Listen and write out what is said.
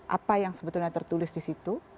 apa yang sebetulnya tertulis di situ